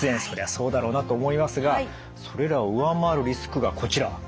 そりゃそうだろうなと思いますがそれらを上回るリスクがこちら。